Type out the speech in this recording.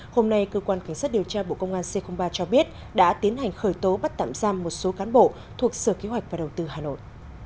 hôm nay cơ quan cảnh sát điều tra bộ công an c ba cho biết đã tiến hành khởi tố bắt tạm giam một số cán bộ thuộc sở kế hoạch và đầu tư hà nội